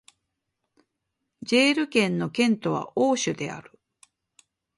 ジェール県の県都はオーシュである